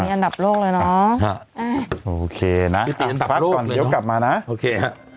อันดับโลกเลยเนาะฮะอ่าโอเคน่ะอันดับโลกเดี๋ยวกลับมาน่ะโอเค